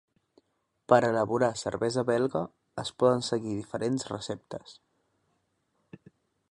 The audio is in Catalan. Per elaborar cervesa belga, es poden seguir diferents receptes.